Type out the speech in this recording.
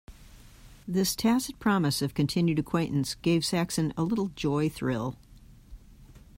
This tacit promise of continued acquaintance gave Saxon a little joy-thrill.